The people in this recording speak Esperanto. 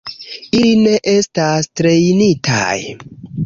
Ili ne estas trejnitaj.